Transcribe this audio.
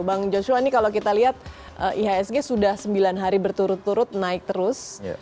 bang joshua ini kalau kita lihat ihsg sudah sembilan hari berturut turut naik terus